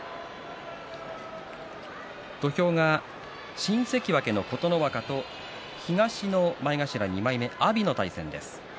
土俵が新関脇の琴ノ若と東の前頭２枚目、阿炎の対戦です。